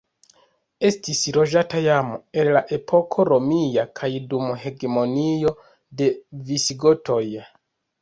Estis loĝata jam el la epoko romia kaj dum hegemonio de visigotoj.